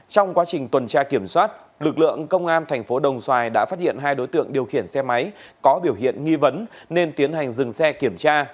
trong quá trình tuần tra kiểm soát lực lượng công an thành phố đồng xoài đã phát hiện hai đối tượng điều khiển xe máy có biểu hiện nghi vấn nên tiến hành dừng xe kiểm tra